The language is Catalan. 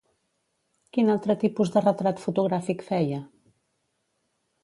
Quin altre tipus de retrat fotogràfic feia?